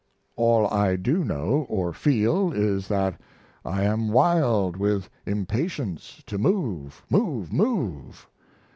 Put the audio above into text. All I do know or feel is that I am wild with impatience to move move move!